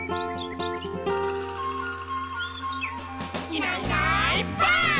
「いないいないばあっ！」